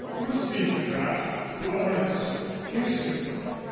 "We'll see to that." "Doris." "Here, Cyril."